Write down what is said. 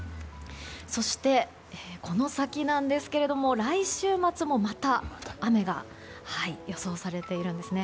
そして、この先なんですけれども来週末もまた雨が予想されているんですね。